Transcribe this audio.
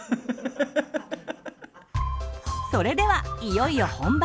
それではいよいよ本番。